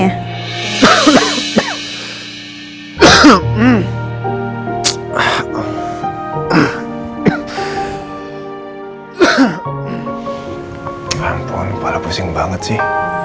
ya ampun kepala pusing banget sih